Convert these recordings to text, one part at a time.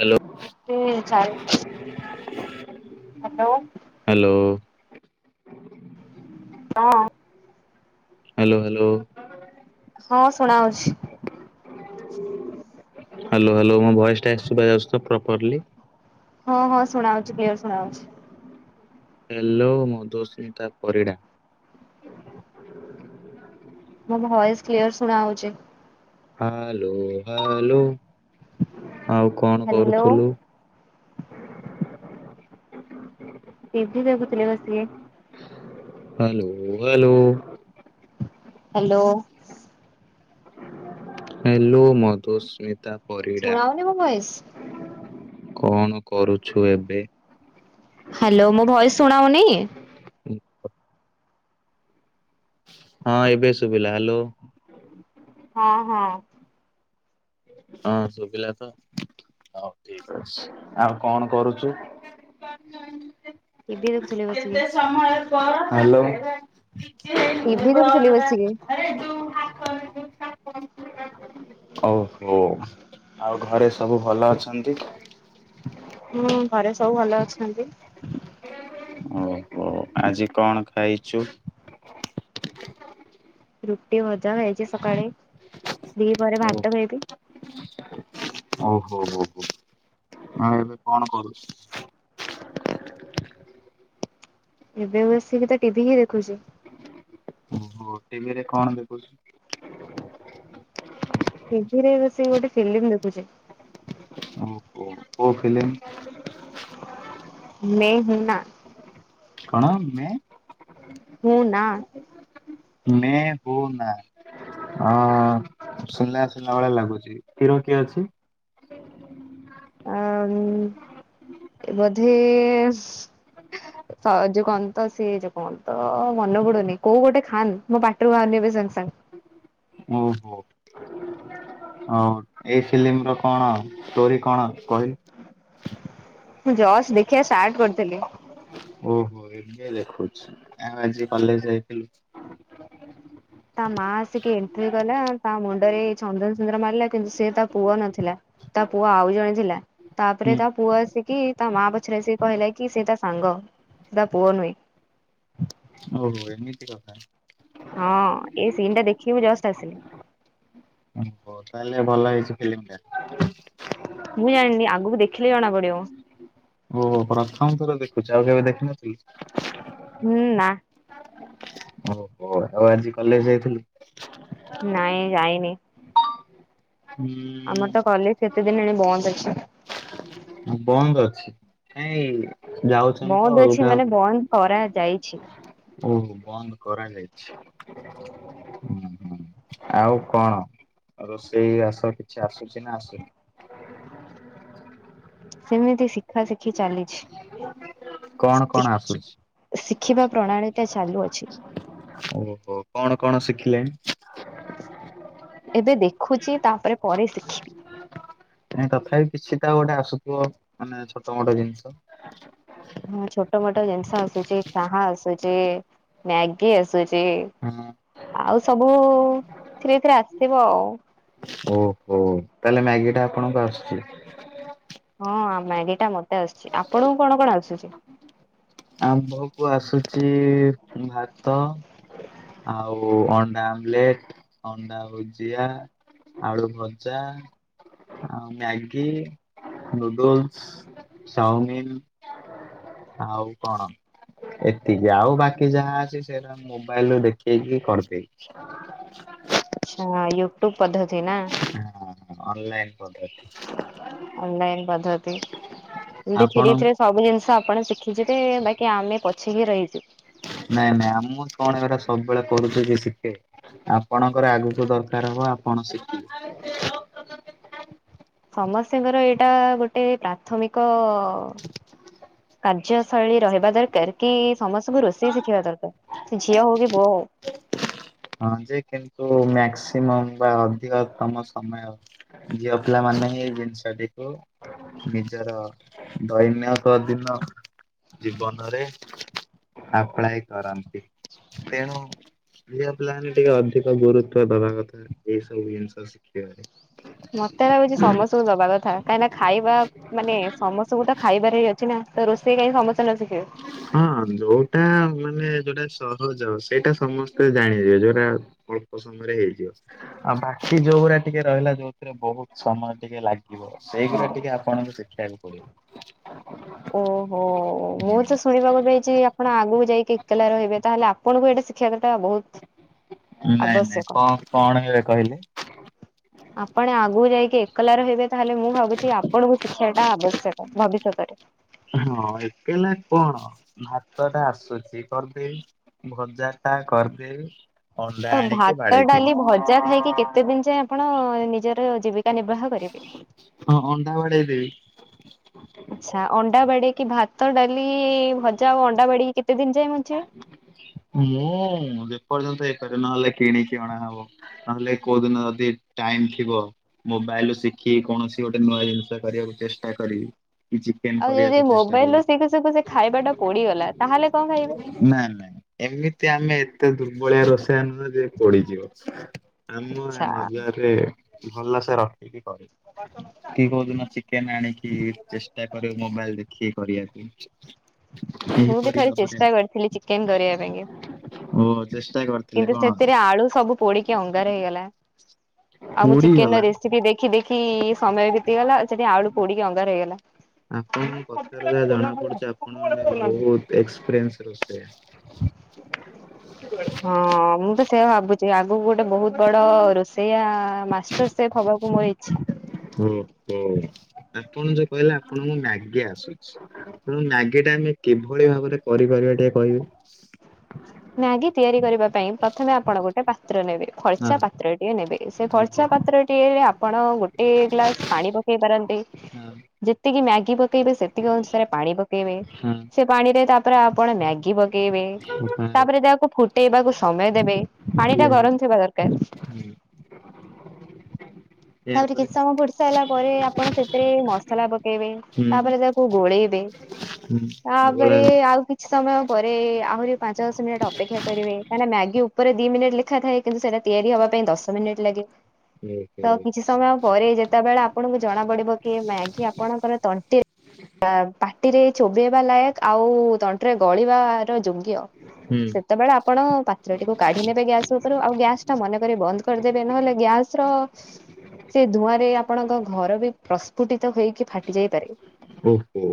Hello ବେ ଚାଏ। Hello. Hello ହଁ ହାଲୋ ହାଲୋ। ହଁ ଶୁଣାହୋଉଛି। ହାଲୋ ହାଲୋ ମୋ ଭଏସ୍ ଟା ସୁବା ଯାଉଛି ତ ପ୍ରପରଲି। ହଁ ହଁ ଶୁଣାହୋଉଛି କ୍ଲିୟର ଶୁଣାହୋଉଛି। ହେଲୋ ମଧୁସ୍ମିତା ପରିଡ଼ା। ମୋ ଭଏସ୍ କ୍ଲିୟର ଶୁଣାହଉଛି। ହାଲୋ ହାଲୋ ଆଉ କଣ ହ୍ୟାଲୋ କରୁଥୁଲୁ। [inaudible] ଟିଭି ଦେଖୁଥିଲି ବସିକି। Hello hello. Hello. Hello Madhusmita. Parida ଶୁଣାହଉନି ମୋ ଭଏସ୍? କଣ କରୁଛୁ ଏବେ? ହ୍ୟାଲୋ ମୋ ଭଏସ୍ ଶୁଣାହୋଉନି? ହୁଁ। ହଁ ଏବେ ଶୁବିଲା ହାଲୋ। ହଁ ହଁ। ହଁ ଶୁବିଲା ତ ହଉ ଠିକ୍ ଅଛି ଆଉ କଣ କରୁଚୁ? [unintelligible] ଟିଭି ଦେଖୁଥିଲି ବସିକି। ହାଲୋ। ଟିଭି ଦେଖୁଥିଲି ବସିକି। [unintelligible] ଓହୋ ଆଉ ଘରେ ସବୁ ଭଲ ଅଛନ୍ତି? ହୁଁ ଘରେ ସବୁ ଭଲ ଅଛନ୍ତି। ଓ ଆଜି କଣ ଖାଇଛୁ? ରୁଟି ଭଜା ଖାଇଚି ସକାଳେ। ଦି ପହରେ ଭାତ ଖାଇବି। ଓ ହୋ ହୋ ଏବେ କଣ କରୁଛ? [inaudible] ଏବେ ବସିକି ତ ଟିଭି ହିଁ ଦେଖୁଛି। ଓ ଟିଭିରେ କଣ ଦେଖୁଛୁ? ଟିଭିରେ ବସିକି ଗୋଟେ ଫିଲୀମ୍ ଦେଖୁଛି। ଓ କୋଉ ଫିଲୀମ୍? ମେ ହୁଁ ନା। କଣ ମେ? ହୁଁ ନା। ମେ ହୁ ନା। ହଁ ଶୁଣିଲା ଶୁଣିଲା ଭେଳିଆ ଲାଗୁଛି ହିଁରୋକିଏ ଅଛି? [unintelligible] ଆ ହୁଁ ବଧେ ସଜୋଉ କନ୍ତ ସିଏ ଯଉ କନ୍ତ ମନେ ପଡୁନି କୋଉ ଗୋଟେ ଖାନ୍ ମୋ ପାଟିରୁ ବାଉନି ଏବେ ସଜ ସଙ୍ଗ। [inaudible] ଓହୋ ହଉ ଏଇ ଫିଲ୍ମ ର କଣ ଷ୍ଟୋରି କଣ କହିଲୁ। ମୁଁ ଯଷ୍ଟ ଖିବା ଷ୍ଟାର୍ଟ କରିଥିଲି। ଓହୋ ଏଗେଜେ ଦେଖ ଉଚି ଆଉ ଆଜି କଲେଜ ଯାଇଥିଲୁ? [inaudible] ତା ମା ଆସିକି ଏଣ୍ଟ୍ରି ଗଲା ତା ମୁଣ୍ଡରେଇ ଚନ୍ଦନ ସୁୁନ୍ଦନ ମାରିଲା କିନ୍ତୁ ସେ ତା ପୁଅ ନଥିଲା ତା ପୁଅ ଆଉ ଜଣେ ଥିଲା ତାପରେ ହୁଁ। ତା ପୁଅ ଆସିକି ତା ମା ପଛରେ ସିଏ କହିଲା କି ସେ ତା ସାଙ୍ଗ ସେ ତା ପୁଅ ନୁହେଁ। ଓହୋ ଏମିତି କଥା। ହଁ ଏ ସିନ୍ ଟା ଦେଖିବାକୁ ଜଷ୍ଟ ଆସିଲି। ହଉ ତାହେଲେ ଭଲ ହେଇଛି ଫିଲ୍ମ ଟା? ମୁଁ ଜାଣିନି ଆଗକୁ ଦେଖିଲେ ଜଣା ପଡିବ। ଓହୋ ପ୍ରଥମଥର ଦେଖୁଛି ଆଉ କେବେ ଦେଖିନଥିଲୁ? ହୁଁ ନା। ଓହୋ ଆଉ ଆଜି କଲେଜ ଯାଇଥିଲୁ? ନାଇଁ ଯାଇନି। ହୁଁ। କେତଦିନ ହେଲାଣି ବନ୍ଦ ଅଛି। ବନ୍ଦ ଅଛି କାଇଁ ବନ୍ଦ ଅଛି ମାନେ ବନ୍ଦ କରାଯାଇଛି। ଓ ବନ୍ଦ କରାଯାଇଛି ହୁଁ ହୁଁ। ଆଉ କଣ ରୋଷେଇ ବାସ କିଛି ଆସୁଛି ନା ଆସୁନି? ସେମିତି ଶିଖା ଶିଖି ଚାଲିଛି। କଣ କଣ ସିଖି ଆସୁଛି ଶିଖିବା ପ୍ରଣାଳୀଟା ଚାଲୁ ଅଛି। ଓହୋ କଣ କଣ ଶିଖିଲେଣି? ଏବେ ଦେଖୁଛି ତାପରେ ପରେ ଶିଖିବି। କାଇଁ ତଥାପି କିଛିଟା ଗୋଟେ ଆସୁଥିବ ମାନେ ଛୋଟ ମୋଟ ଜିନିଷ। ହଁ ଛୋଟ ମୋଟ ଜିନିଷ ଆସୁଛି ଚାହା ଆସୁଛି ମ୍ୟାଗି ଆସୁଛି। ହଁ ଆଉ ସବୁ ଧୀରେ ଧୀରେ ଆସିବ ଆଉ। ଓହୋ ତାହେଲେ ମ୍ୟାଗି ଟା ଆପଣଙ୍କୁ ଆସୁଛି? ହଁ ମ୍ୟାଗି ଟା ମତେ ଆସିଛି ଆପଣଙ୍କୁ କଣ କଣ ଆସୁଛି ଆମ୍ଭକୁ ଆସୁଛି ଭାତ ଆଉ ଅଣ୍ଡା ଆମଲେଟ ଅଣ୍ଡା ଭୁଜିଆ ଅଳୁ ଭଜା ଆଉ ମ୍ୟାଗି ନୁଡଲସ ଚାଉମିନ୍ ଆଉ କଣ ଏତିକି ଆଉ ବାକି ଯାହା ଅଛି ସେଇଟା ମୋବାଇଲ ରୁ ଦେଖେଇକି କରିଦେଇବି ଆଛା ୟୁଟ୍ୟୁବ ପଦ୍ଧତି ନା ହଁ ଅନ୍ଲାଇନ୍ ଏମତି ଥିୀରେ ଧୀରେ ସବୁ ଜିନିଷ ଆପଣ ଶିଖ ଖିଛି ବାକି ଆମେ ପଛକି ରହିଛୁ ନାଇଁ ନାଇଁ ମୁଁ କଣ ଏ ସବୁବେଳେ କରୁଛି କି ଶିଖେ ଆପଣଙ୍କର ଆଗକୁ ଦରକାର ହବ। ହଉ ଆପଣ ସେଠ। ସମସ୍ତିଙ୍କର ଏଇଟା ଗୋଟେ ପ୍ରାଥମିକ। କାର୍ଯ୍ୟଶୈଳୀ ରହିବ। ଯା ଦ୍ୱାରା ସମସ୍ତଙ୍କୁୁ ରୋଷେଇ ଶିଖିବା ଦରକାର ସେ ଝିଅ ହଉ କି ପୁଅ ହଉ। ହଁ ଯେ କିନ୍ତୁ ମାକ୍ସିମମ ବା ଅଧିକତମ ସମୟ ଝିଅ ପିଲାମାନେ। ଆମେ ଏଇ ଜିନିଷଟିକୁ ନିଜର ଦୈନ କ ଦିନ। ଜୀବନରେ ଆପ୍ଲାଏ କରନ୍ତି ତେଣୁ। ଝିଆପିଲାମନେ ଟିକେ ଅଧିକ ଗୁରୁତ୍ୱ ଦବା କଥା ଏଇ ସବୁ ଜିନିଷ ଶିଖିବାରେ। ମତେ ଲାଗୁଛି ସମସ୍ତଙ୍କୁ ଦବା କଥା କାହିଁକି ନା ଖାଇବା ମାନେ ସମସ୍ତଙ୍କୁ ତ ଖାଇବାରେ ହି ଅଛି ନା। ତ ରୋଷେଇ କାଇଁ ସମସ୍ତେ ନ ଶିଖିବେ? ହଁ ଯୋଉଟା ମାନେ ଯୋଉଟା ସହଜ ସେଇଟା ସମସ୍ତେ ଜାଣିବେ ଯୋଉଟା। ଅଳ୍ପ ସମୟରେ ହେଇଯିବ, ଆଉ ବାକି ଯୋଉଗୁଡା ଟିକେ ରହିଲା ଯୋଉଥିରେ ବହୁତ ସମୟ ଟିକେ ଲାଗିବ। ଯିବ ସେଇଗୁଡା ଟିକେ ଆପଣଙ୍କୁ ଶିଖିବାକୁ ପଡିବ। ଓହୋ। ମୁଁ ତ ଶୁଣିବାକୁ ପାଇଛି ଆପଣ ଆଗକୁ ଯାଇକି ଏକଲା ରହିବେ ତାହେଲେ ଆପଣଙ୍କୁ ଏଇଟା ଶିଖିବା ଦର ନାଇଁ ନାଇଁ କ କଣ ଏ କହିଲେ। ଆପଣ ଆଗକୁ ଯାଇକି ଏକଲା ରହିବେ ତାହେଲେ ମୁଁ ଭାବୁଛି ଆପଣଙ୍କୁ ଶିକ୍ଷିବା ଟା ଆବଶ୍ୟକ ଭବିଷ୍ୟତରେ। ହଁ ଏକଲା କଣ ଭାତ ଟା ଆସୁଛି କରିଦେଇ ଭଜା। ଟା କରିଦେବି ଅଣ୍ଡା। ତ ଆଣିକି ଭାତ ବାଡେଇ ଦେବି ଡାଲି ଭଜା ଖାଇକି କେତେ ଦିନ ଯାଏ ଆପଣ ନିଜର ଜୀବିକା ନିର୍ବାହ କରିବେ? ହଁ ଅଣ୍ଡା ବାଡେଇଦେବି। ଆଛା ଅଣ୍ଡା ବାଡେଇକି। କି ଭାତ ଡାଲି ଭଜା ଆଉ ଅଣ୍ଡା ବାଡେଇକି କେତେ ଦିନ ଯାଏ ବଞ୍ଚିବେ? ମୁଁ। ଯେ ପର୍ଯ୍ୟନ୍ତ ହେଇପାରିବ ନହେଲେ କିଣିକି ଅଣାହବ ନହେଲେ କୋଉ ଦିନ ଯଦି ଟାଇମ୍ ଥିବ ମୋବ। ମୋବାଇଲ୍ ଶିଖିକ କୌଣସି ଗୋଟେ ନୂଆ ଜିନିଷ କରିବାକୁ ଚେଷ୍ଟା କରିବି କି ଚିକେନ ଆଉ ଯଦି କରିବାକୁ ଚେସ ମୋବାଇଲ ରୁ ଶିଖୁ ଶିଖୁ। ସେ ଖାଇବା ଟା ପୋଡିଗଲା ତାହଲେ କଣ ଖାଇବେ? ସେ ଭଳିଆ ରୋଷେଆ ନୁହଁ ଯେ ପୋଡିଯିବ ଆମ ଆଚ୍ଛା ନଜରରେ। ଭଲ ସେ ରଖ। କି କୋଉ ଦିନ ଚିକେନ ଆଣିକି ଚେଷ୍ଟା କରିବି ମୋବାଇଲରେ। କିଏ କରିଆସି? ମୁଁ ବି ଥରେ ଚେଷ୍ଟା କରିଥିଲି ଚିକେନ କରିବା ଓ ପାଇଁକା। ଚେଷ୍ଟା କରିଥିଲେ କିନ୍ତୁ କଣ ସେଥିରେ ଆଳୁ ସବୁ ପୋଡିକି ଅଙ୍ଗାର ହେଇଗଲା। ଆଉ ମୁଁ ଚିକେନ ର ପୋଡିଗଲା ରେସିପି ଦେଖି ଦେଖି ସମୟ ବିତିଗଲା ସେଠି ଆଳୁ ପୋଡିକି ଅଙ୍ଗାର ହେଇଗଲା। ଆପଣଙ୍କ କଥାରୁ ଯାହା ଜଣା ପଡୁଛି ଆପଣ। ମାନେ ବହୁତ ଏକ୍ସପିରିଏନ୍ସ ରୋଷେଇଆ। ହଁ ମୁଁ ତ ସେ ଭାବୁଛି ଆଗକୁ ଗୋଟେ। ବହୁତ ବଡ ରୋଷେଇଆ ମାଷ୍ଟର ସେଫ୍ ହବାକୁ ମୋର ଇଛା। ହଁ। [inaudible] ଓ ହୋ ଆପଣ ଯୋଉ କହିଲେ ଆପଣଙ୍କୁ ମ୍ୟାଗି ଆସୁଛି ତେଣୁ ମ୍ୟାଗି ଟା ଆମେ କିଭଳି ଭାବରେ କରିପାରିବା ଟିକେ କହିବେ? ମ୍ୟାଗି ତିଆରି କରିବା ପାଇଁ ପ୍ରଥମେ ଆପଣ ଗୋଟେ ପାତ୍ର ନେବେ ହଁ ଫର୍ଚା ପାତ୍ରଟିିଏ ନେବେ। ସେ ଆଜ୍ଞା ଫରଚା ପାତ୍ର ଟିଏ। ଆପଣ ଗୋଟେ ଗ୍ଲାସ ପାଣି ପକେଇ ପାରନ୍ତି ଯେତିକି ମାଗି ପକେଇବେ ସେତିକି ଅନୁସାରେ ପାଣି ପକେଇବେ ସେ ପାଣିରେ ତାପରେ ଆପଣ ମ୍ୟାଗି ପକେଇବେ। ହଁ ତାପରେ ତାକୁ ଫୁଟେଇବାକୁ ସମୟ ଦେବେ ପାଣି ଟା ହଁ ଗରମ ଥିବା ଦରକାର। [inaudible] ତାପରେ ଏହାପରେ କିଛି ସମୟ ବଡି ସାରିଲା ପରେ ଆପଣ ସେଥିରେ ମସଲା ପକେଇବେ ହୁଁ ତାପରେ ତାକୁ ଗୋଳେଇବେ। ହେ [inaudible] [unintelligible] ଆଉ କିଛି ସମୟ ପରେ ଆହୁରି ପାଞ୍ଚ ମିନିଟ ଅପେକ୍ଷା କରିବ କାହିଁକ ନା ମ୍ୟାଗି ଉପରେ ଦି ମିନିଟ ଲେଖା ଥାଏ। କିନ୍ତୁ ସେଟା ତିଆରି ହବା ପାଇଁ ଦଶ ମିନିଟ୍ ଲାଗେ। ହୁଁ। [inaudible] ତ କିଛି ସମୟ ପରେ ଯେତେବେଳେ ଆପଣଙ୍କୁ ଜଣା ପଡିବ କି ମ୍ୟାଗି ଆପଣଙ୍କର ତଣ୍ଟି ପାଟିରେ ଚୋବେେଇବା ଲାୟକ ଆଉ ତଣ୍ଟରେ ଗଳିବାର ଯୋଗ୍ୟ ହୁଁ ସେତେବେଳେ ଆପଣ ପାତ୍ରଟିକୁ କାଢ଼ି ନେବେ ଗ୍ୟାସ୍ ଉପରୁ ଆଉ ଗ୍ୟାସ୍ ମନେକରି ବନ୍ଦ କରିଦେବେ ନ ହେଲେ ଗ୍ୟାସ୍ ର ସେ ଧୂଆଁ ରେ ଆପଣଙ୍କ ଘର ବି ପ୍ରସ୍ଫୁଟିତ ହେଇକି ଫାଟି ଯାଇପାରେ। ଓ ହୋ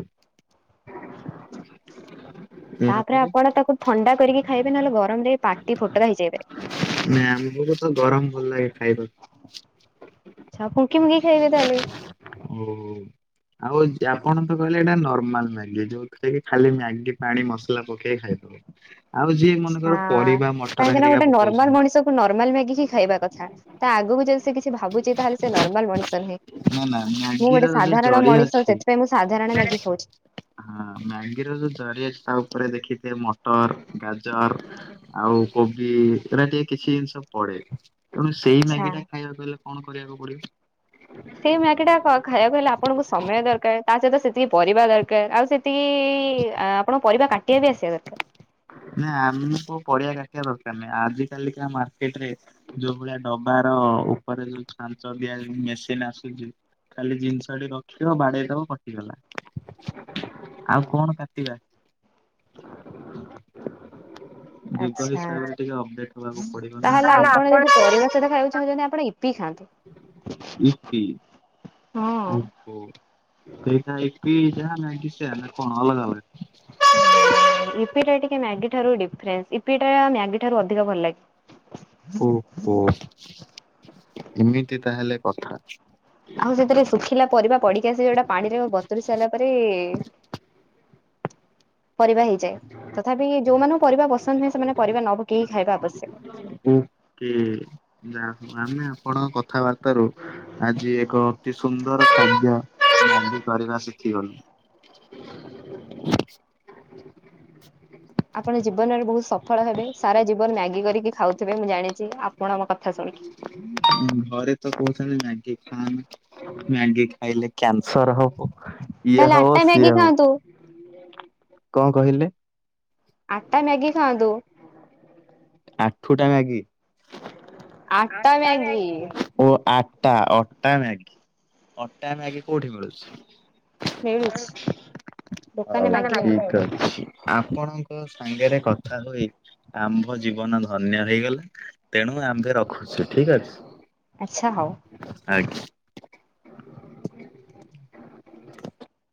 ତାପରେ ଏହାପରେ ଆପଣ ତାକୁ ଥଣ୍ଡା କରିକି ଖାଇବେ ନହେଲେ ଗରମରେ ପାଟି ଫୋଟକା ହେଇଯାଇ ପରେ। ନା ଅମୁକୁ ତ ଗରମ ଭଲ ଲାଗେ ଖାଇବାକୁ। ଫୁଙ୍କି ଫୁଙ୍କି ଖାଇବେ ତାହେଲେ। ଓ ହୋ ଆଉ ଆପଣ ତ କହିଲେ ଏଇଟା ନର୍ମାଲ ମ୍ୟାଗି ଯୋଉଥିରେ କି ଖାଲି ମ୍ୟାଗି ପାଣି ମସଲା ପକେଇ ଖାଇଦବ। ଆଉ ଯିଏ। ମନେକର ହଁ ପରିବା ମଟର କାହିଁକି ନା ହେରିକା ଗୋଟେ ନର୍ମାଲ ପକଉଛନ୍ତି ମଣିଷ କୁ ନର୍ମାଲ ମ୍ୟାଗି ହିଁ ଖାଇବା କଥା ତା ଆଗକୁ ଯଦି ସେ କିଛି ଭାବୁଛି ତା ହେଲେ ସେ ନର୍ମାଲ ମଣିଷ ନୁହେଁ। ନା ମୁଁ ମ୍ୟାଗିର ଗୋଟେ ଯୋଉ ସାଧାରଣ ଜରି ମଣିଷ ଅଛି ସେଥିପାଇଁ ମୁଁ ସାଧାରଣ ହଁ ମ୍ୟାଗି ଖାଉଛି ମ୍ୟାଙ୍ଗିର ଯୋଉ ଜରିଆ ଅଛି ତା ଉପରେ ଦେଖିଥିବେ ମ ମଟର ଗାଜର ଆଉ କୋବି ଏଟ ଟିକେ କିଛି ଜିନିଷ ପଡେ। ତେଣୁ ସେଇ ଆଚ୍ଛା। ମ୍ୟାଗି ଟା ଖାଇବାକୁ ହେଲେ କଣ କରିବାକୁ ପଡିବ। ସେଇ ମାଗି ଟ ଖାଇବାକୁ ହେଲେ ଆପଣଙ୍କୁ ସମୟ ଦରକାର। ତା ସହିତ ସେତିକି ପରିବା ଦରକାର, ଆଉ ସେତିକି ଆପଣଙ୍କ ପରିବା କାଟି ନା ଆମେ ତ ପରଆ କା ଦରକାର ନାହି ଆଜି କାଲି କା ମାର୍କେଟ ରେ ଯୋଉ ଭଳିଆ ଡବାର ଉପରେ ଯୋଉ ଛାଞ୍ଚ ଦିଆ ମେସିନ ଆସୁଛି ଖାଲି ଜିନିଷ ରଖିବବାଡେଇ ଦବ କଟିଗଲା ଆଉ କଣ କାଟିବା। ଯୁଗ ଆଛା ହିସାବରେ ଟିକେ ଅପଡେଟ ହବାକୁ ପଡିବ ନା ତାହେଲେ ଆପଣ ଆଉ। ଯଦି ପରିବା ସହିତ ଖାଇକବାକୁ ଚାହୁଁଛନ୍ତି ଆପଣ ୟୀପୀ ପିଇ ଖାଆନ୍ତୁ। ହଁ ଓ ହୋ ତା ଏଇଟା ୟିପି ଯାହା ନାଇଁ କି ସେ ଟ ନା କଣ ଅଲଗା ଅଲଗା। ୟୁପି ଟା ଟିକେ ମ୍ୟାଗି ଠାରୁ ଡିଫରେନ୍ସ, ୟୁପି ଟା ମାଗି ଠାରୁ ଅଧିକ ଭଲ ଲାଗେ। ଓ ହୋ ଏମିତି ତାହେଲେ କଥା। ଆଉ ସେଥିରେ ଶୁଖିଲା ପରିବା ପଡିକି ଆସ ଯୋଉଟା ପାଣିରେ ବତୁରି ସାରିଲା ପରେ [inaudible] ପରିବା ହେଇଯାଏ ତଥାପି ଯୋଉମାନଙ୍କୁ ପରିବା ପସନ୍ଦ ନୁହେଁ। ସେମାନେ ପରିବା ନ ପକେଇକି ଖାଇବା ଆବଶ୍ୟକ। ଓ କି ନା ଆମେ ଆପଣଙ୍କ କଥାବାର୍ତ ରୁ ଆଜି ଏକ ଅତି ସୁନ୍ଦର ଖାଦ୍ୟ ନନ୍ଦି କରିବା ଶିଖି ଗଲି। ଆପଣ ଜୀବନରେ ବହୁତ ସଫଳ ହେବେ ସାରା ଜୀବନ ମ୍ୟାଗି କରିକି ଖାଉଥିବେ ମୁଁ ଜାଣିଚି ଆପ ଆପଣଙ୍କ କଥା ଶୁଣିକି। ସମେସ୍ତେ କହୁଛନ୍ତି ମ୍ୟାଗି ଖାନି ମ୍ୟାଗି ଖାଇଲେ କ୍ୟା ସର ହବ ଇଏ ତାହେଲେ ହବ ଆଟା ମ୍ୟାଗି ସିଏ ଖାଆନ୍ତୁ ହବ କଣ କହିଲେ। ଆଟା ମ୍ୟାଗି ଖାଆନ୍ତୁ। ଆଠୁ ଟା ମ୍ୟାଗି ଆଟା ମ୍ୟାଗ ଓ ଆ ଟା ଅଟା ମ୍ୟାଗି ଅଟା ମ୍ୟାଗି କୋଉଠି ମିଳୁଛି। ମିଳୁଛି ଦୋକାନରେ ମାଗିଲେ ହଉ ହବ ଠିକ୍ ଅଛି ଆପଣଙ୍କ ସା ସାଙ୍ଗରେ କଥା ହୋଇ ଆମ୍ଭ ଯିବ ଜୀବନ ଧନ୍ୟ ହେଇଗଲା ତେଣୁ ଆମ୍ଭେ ରଖୁଛୁ ଠିକ୍ ଆଚ୍ଛା ହଉ। ଅଛି। ଆଜ୍ଞା। [inaudible]